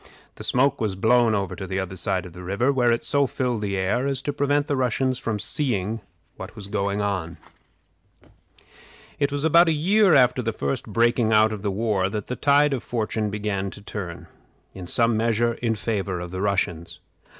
The smoke was blown over to the other side of the river, where it so filled the air as to prevent the Russians from seeing what was going on. [Illustration: Stratagems of the Swedes.] It was about a year after the first breaking out of the war that the tide of fortune began to turn, in some measure, in favor of the Russians.